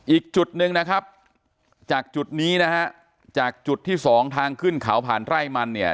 อีกจุดหนึ่งนะครับจากจุดนี้นะฮะจากจุดที่สองทางขึ้นเขาผ่านไร่มันเนี่ย